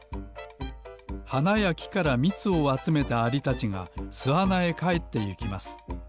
はなやきからみつをあつめたアリたちがすあなへかえってゆきます。